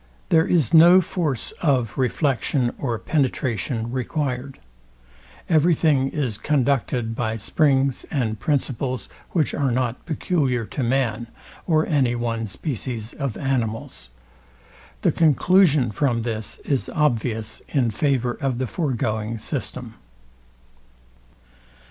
There is no force of reflection or penetration required. Every thing is conducted by springs and principles, which are not peculiar to man, or any one species of animals. The conclusion from this is obvious in favour of the foregoing system.